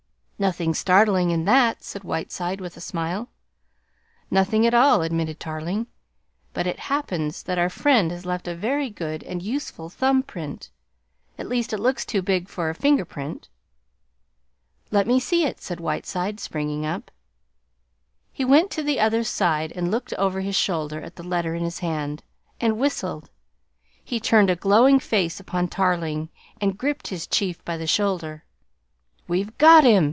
"Nothing startling in that," said Whiteside with a smile. "Nothing at all," admitted Tarling. "But it happens that our friend has left a very good and useful thumb print. At least, it looks too big for a finger print." "Let me see it," said Whiteside, springing up. He went to the other's side and looked over his shoulder at the letter in his hand, and whistled. He turned a glowing face upon Tarling and gripped his chief by the shoulder. "We've got him!"